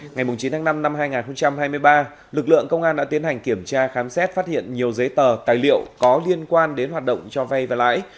ngày chín tháng năm năm hai nghìn hai mươi ba lực lượng công an đã tiến hành kiểm tra khám xét phát hiện nhiều giấy tờ tài liệu có liên quan đến hoạt động cho vay và lãi